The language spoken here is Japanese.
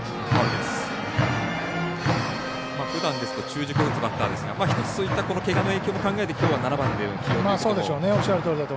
ふだんですと中軸を打つバッターですが一つ、そういったけがの影響も考えてきょうは７番での起用だと。